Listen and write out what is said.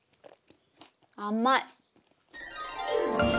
甘い。